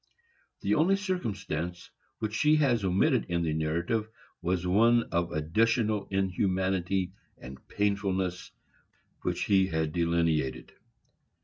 The only circumstance which she has omitted in the narrative was one of additional inhumanity and painfulness which he had delineated.